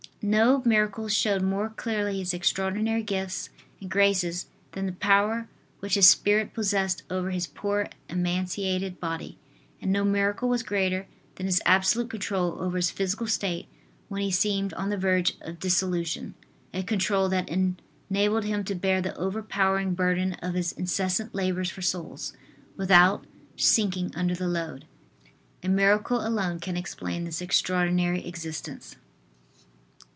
No miracles showed more clearly his extraordinary gifts and graces than the power which his spirit possessed over his poor emaciated body; and no miracle was greater than his absolute control over his physical state when he seemed on the verge of dissolution, a control that enabled him to bear the over powering burden of his incessant labors for souls, without sinking under the load. A miracle alone can explain this extraordinary existence.